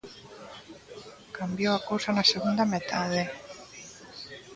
Cambiou a cousa na segunda metade.